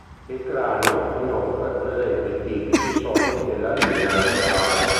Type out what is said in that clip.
Il cranio, inoltre, presenta i tipici solchi della linea laterale.